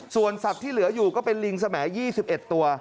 ส่วนสัตว์ที่เหลืออยู่ก็เป็นลิงสมัย๒๑ตัว